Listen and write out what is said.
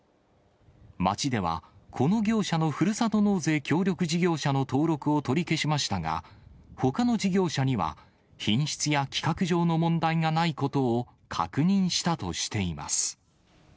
町では、この業者のふるさと納税協力事業者の登録を取り消しましたが、ほかの事業者には、品質や規格上の問題がないことを確認したとしています。